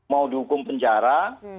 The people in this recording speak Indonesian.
mau dihukum penjara